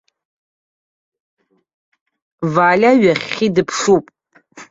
Валиа ҩахьхьи дыԥшуп!